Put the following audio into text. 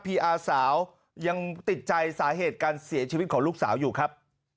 ีอาสาวยังติดใจสาเหตุการเสียชีวิตของลูกสาวอยู่ครับ